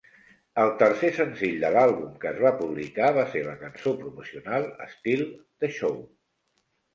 El tercer senzill de l'àlbum que es va publicar va ser la cançó promocional "Steal the Show".